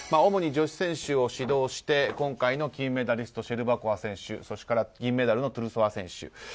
主に女子選手を指導して今回の金メダリストシェルバコワ選手そして銀メダルのトゥルソワ選手。